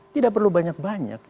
tidak perlu banyak banyak